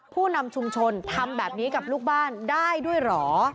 ผู้นำชุมชนทำแบบนี้กับลูกบ้านได้ด้วยเหรอ